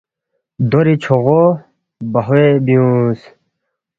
دوری چھوغو بہوے بیُونگس